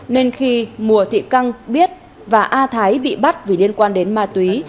nên khi mùa thị căng biết và a thái bị bắt vì liên quan đến ma túy